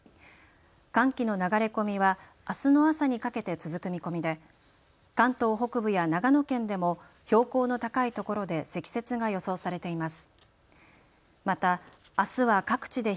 寒気の流れ込みはあすの朝にかけて続く見込みで関東北部や長野県でも標高の高い所で積雪が予想されています。